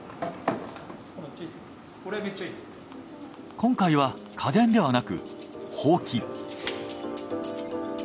今回は家電ではなくほうき。